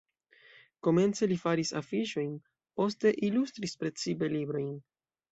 Komence li faris afiŝojn, poste ilustris precipe librojn.